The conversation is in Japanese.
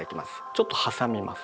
ちょっと挟みます。